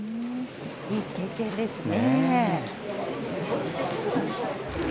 いい経験ですね。